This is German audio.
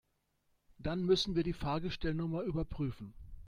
Dann müssen wir die Fahrgestellnummer überprüfen.